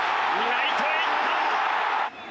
ライトへいった！